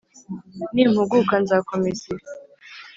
nimpuguka nzakomeza ibi